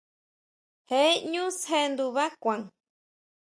Je ʼñú sjendubá kuan.